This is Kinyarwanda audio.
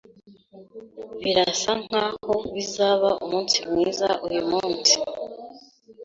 Birasa nkaho bizaba umunsi mwiza uyumunsi.